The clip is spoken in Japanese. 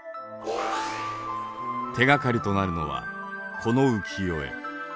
手がかりとなるのはこの浮世絵。